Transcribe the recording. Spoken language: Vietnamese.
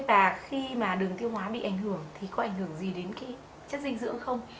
và khi mà đường tiêu hóa bị ảnh hưởng thì có ảnh hưởng gì đến cái chất dinh dưỡng không